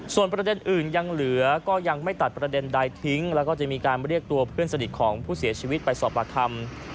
ส่วนประเด็นอื่นยังเหลือก็ยังไม่ตัดประเด็นใดทิ้งแล้วก็จะมีการเรียกตัวเพื่อนสนิทของผู้เสียชีวิตไปสอบปากคำ